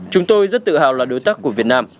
chúng tôi rất tự hào là đối tác của việt nam